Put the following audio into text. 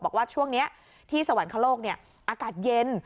บอกว่าช่วงนี้ที่สวรรคโลกอากาศเย็น